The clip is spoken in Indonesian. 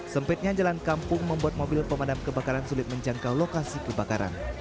sempitnya jalan kampung membuat mobil pemadam kebakaran sulit menjangkau lokasi kebakaran